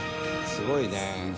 「すごいね」